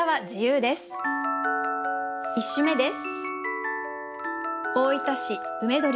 １首目です。